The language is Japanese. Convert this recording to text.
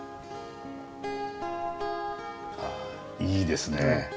あいいですね。